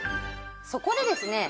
そこでですね